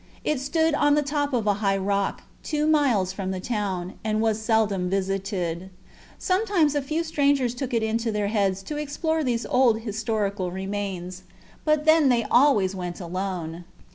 It stood on the top of a high rock, two miles from the town, and was seldom visited. Sometimes a few strangers took it into their heads to explore these old historical remains, but then they always went alone.